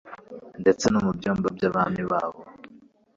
ndetse no mu byumba by’abami babo